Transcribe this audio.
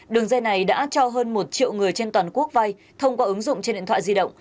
đường dây này đã cho hơn một triệu người trên toàn quốc vai thông qua ứng dụng trên điện thoại di động